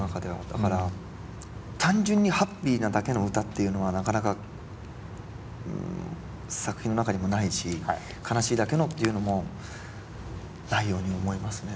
だから単純にハッピーなだけの歌っていうのはなかなか作品の中にもないし悲しいだけのっていうのもないように思いますね。